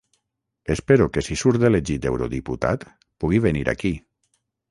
Espero que si surt elegit eurodiputat, pugui venir aquí.